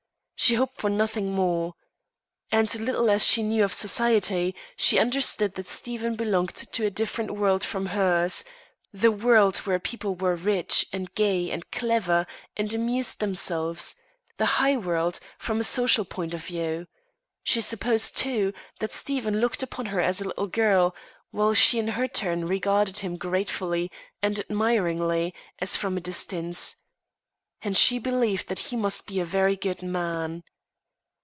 She hoped for nothing more. And little as she knew of society, she understood that Stephen belonged to a different world from hers; the world where people were rich, and gay, and clever, and amused themselves; the high world, from a social point of view. She supposed, too, that Stephen looked upon her as a little girl, while she in her turn regarded him gratefully and admiringly, as from a distance. And she believed that he must be a very good man.